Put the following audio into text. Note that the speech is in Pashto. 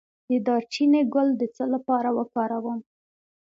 د دارچینی ګل د څه لپاره وکاروم؟